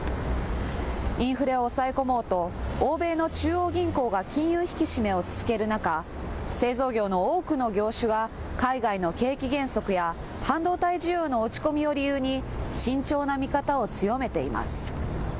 インフレを抑え込もうと欧米の中央銀行が金融引き締めを続ける中、製造業の多くの業種が海外の景気減速や半導体需要の落ち込みを理由に慎重な見方を強めています。